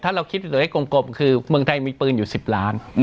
ถ้าเราคิดเหลือให้กลมคือเมืองไทยมีปืนอยู่๑๐ล้าน